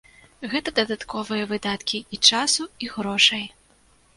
Гэта дадатковыя выдаткі і часу, і грошай.